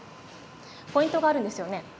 ポイントがあるんですよね。